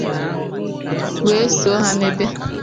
wee so ha mebe